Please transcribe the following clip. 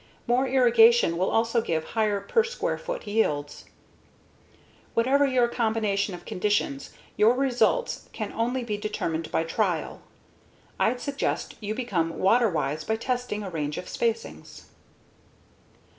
More irrigation will also give higher per square foot yields. Whatever your combination of conditions, your results can only be determined by trial. I'd suggest you become water wise by testing a range of spacings.